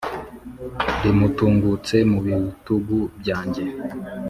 Rimutungutse mu bitugu byanjye